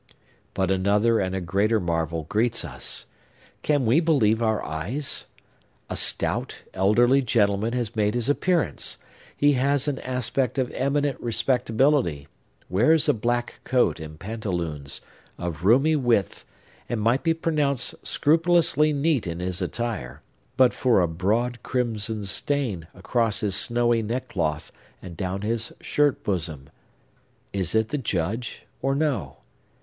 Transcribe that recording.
But another and a greater marvel greets us! Can we believe our eyes? A stout, elderly gentleman has made his appearance; he has an aspect of eminent respectability, wears a black coat and pantaloons, of roomy width, and might be pronounced scrupulously neat in his attire, but for a broad crimson stain across his snowy neckcloth and down his shirt bosom. Is it the Judge, or no?